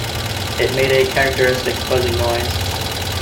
It made a characteristic buzzing noise.